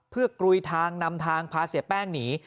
เพื่อกลุยทางนำทางพาเสียแป้งหนี